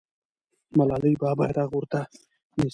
ملالۍ به بیرغ ورته نیسي.